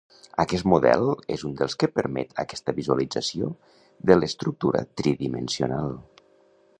Aquest model és un dels que permet aquesta visualització de l'estructura tridimensional.